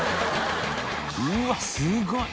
うわっすごい！